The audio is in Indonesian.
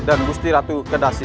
dan gusti ratu kedasi